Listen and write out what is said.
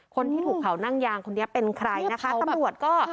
คนที่ถูกเผานั่งยางคนนี้เป็นใครนะคะตำรวจก็